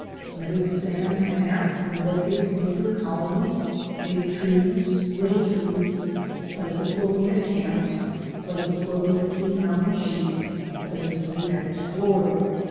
On a big sand map we located beaver colonies, big trees, little trees, places where we had camped, places where we had seen mountain sheep, places we had explored.